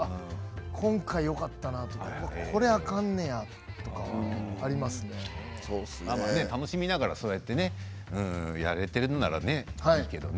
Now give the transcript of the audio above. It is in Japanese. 今回よかったなとかこれあかんねやとか楽しみながらそうやってやれているならねいいけどね。